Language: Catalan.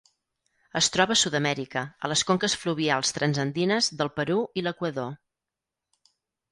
Es troba a Sud-amèrica, a les conques fluvials transandines del Perú i l'Equador.